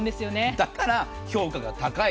だから評価が高い。